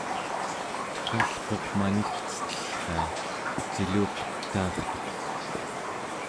teggalquq manigcetellria ciluqetaartuq